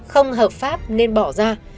không hợp pháp nên bỏ ra